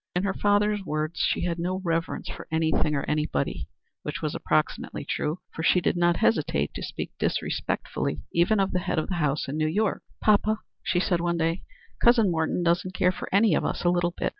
In her father's words, she had no reverence for any thing or any body, which was approximately true, for she did not hesitate to speak disrespectfully even of the head of the house in New York. "Poppa," she said one day, "Cousin Morton doesn't care for any of us a little bit.